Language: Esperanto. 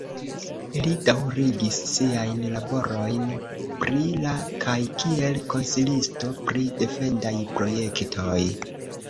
Li daŭrigis siajn laborojn pri la kaj kiel konsilisto pri defendaj projektoj.